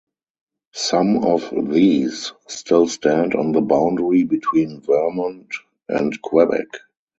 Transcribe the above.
Some of these still stand on the boundary between Vermont and Quebec.